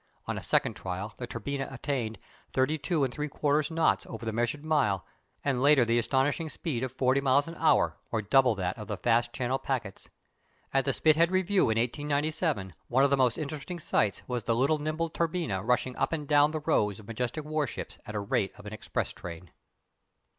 On a second trial the Turbinia attained 32 3/4 knots over the "measured mile," and later the astonishing speed of forty miles an hour, or double that of the fast Channel packets. At the Spithead Review in 1897 one of the most interesting sights was the little nimble Turbinia rushing up and down the rows of majestic warships at the rate of an express train.